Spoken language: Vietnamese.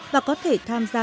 và có thể tham gia